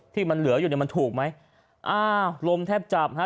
ที่มันเหลืออยู่เนี่ยมันถูกไหมอ้าวลมแทบจับฮะ